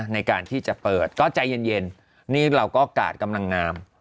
ในการที่จะเปิดก็ใจเย็นนี่เราก็กาดกำลังงาม